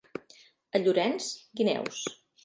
A Llorenç, guineus.